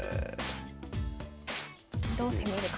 どう攻めるか。